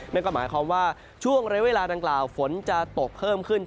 นั่นก็หมายความว่าช่วงระยะเวลาดังกล่าวฝนจะตกเพิ่มขึ้น